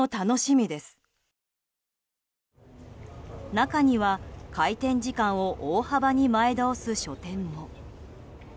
中には、開店時間を大幅に前倒す書店も。